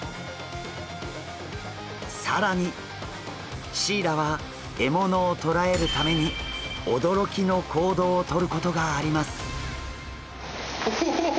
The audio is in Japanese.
更にシイラは獲物をとらえるために驚きの行動を取ることがあります。